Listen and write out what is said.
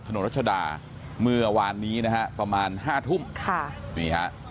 ถนนรัชดาเมื่อวานนี้นะครับประมาณ๕ทุ่มนี่ครับ